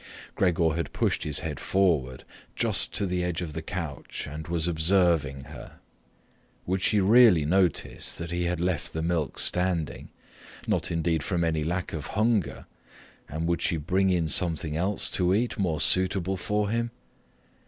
Gregor had pushed his head forward just to the edge of the couch and was observing her. Would she really notice that he had left the milk standing, not indeed from any lack of hunger, and would she bring in something else to eat more suitable for him?